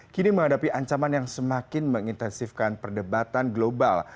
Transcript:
kini menghadapi ancaman yang semakin mengintensifkan perdebatan global